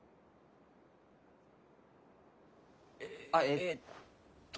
えっと。